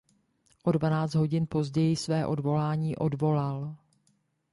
O dvanáct hodin později své odvolání odvolal.